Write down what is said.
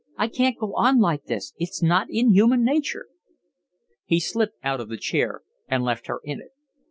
I can't go on like this, it's not in human nature." He slipped out of the chair and left her in it.